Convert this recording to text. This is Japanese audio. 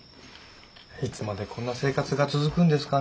いつまでこんな生活が続くんですかね。